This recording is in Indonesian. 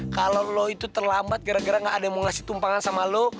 kalau lo itu terlambat gara gara gak ada yang mau ngasih tumpangan sama lo